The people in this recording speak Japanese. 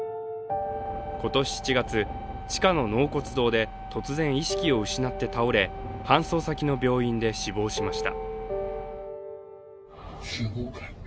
今年７月、地下の納骨堂で突然、意識を失って倒れ搬送先の病院で死亡しました。